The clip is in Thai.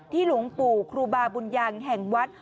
หลวงปู่ครูบาบุญยังแห่งวัด